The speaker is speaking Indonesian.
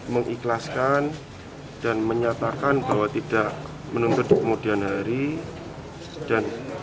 mengikhlaskan dan menyatakan bahwa tidak menuntut di kemudian hari dan